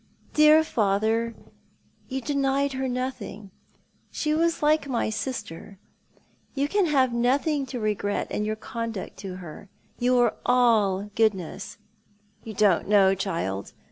"Dear father, you denied her nothing; she was like my sister. You can have nothing to regret in your conduct to her. You were all goodness " "You don't know, child.